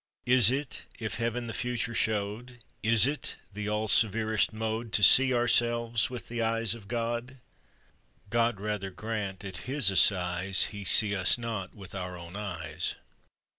Is it, if Heaven the future showed, Is it the all severest mode To see ourselves with the eyes of God? God rather grant, at His assize, He see us not with our own eyes!